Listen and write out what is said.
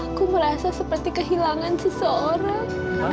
aku merasa seperti kehilangan seseorang